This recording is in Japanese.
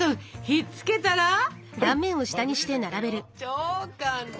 超簡単！